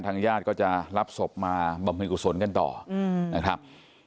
ญาติก็จะรับศพมาบำเพ็ญกุศลกันต่อนะครับ